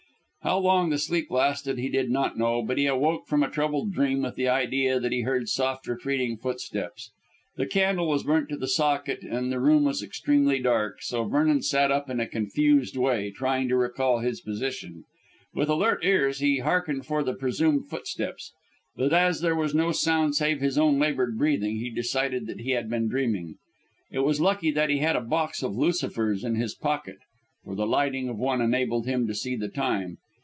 How long the sleep lasted he did not know, but he woke from a troubled dream with the idea that he heard soft retreating footsteps. The candle was burnt to the socket and the room was extremely dark, so Vernon sat up in a confused way, trying to recall his position. With alert ears he hearkened for the presumed footsteps, but as there was no sound save his own laboured breathing, he decided that he had been dreaming. It was lucky that he had a box of lucifers in his pocket, for the lighting of one enabled him to see the time.